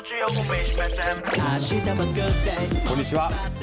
こんにちは。